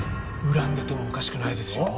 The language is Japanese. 恨んでてもおかしくないですよ。